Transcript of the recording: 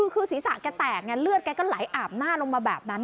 คือศีรษะแกแตกไงเลือดแกก็ไหลอาบหน้าลงมาแบบนั้น